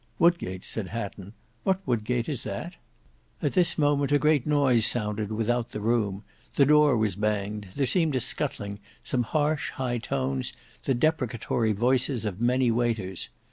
"Wodgate," said Hatton, "what Wodgate is that?" At this moment a great noise sounded without the room, the door was banged, there seemed a scuttling, some harsh high tones, the deprecatory voices of many waiters.